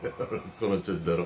この調子だろ？